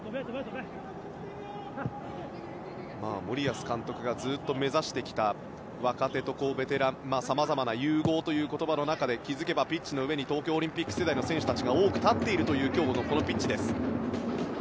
森保監督がずっと目指してきた若手とベテランさまざまな融合という言葉の中で気づけばピッチの上に東京オリンピック世代の選手たちが多く、立っているという今日のこのピッチです。